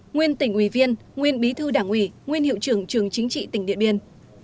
nguyên tỉnh ủy viên nguyên bí thư đảng ủy nguyên hiệu trưởng trường chính trị tỉnh điện biên